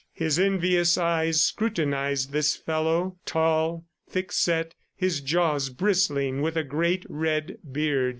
His envious eyes scrutinized this fellow, tall, thick set, his jaws bristling with a great red beard.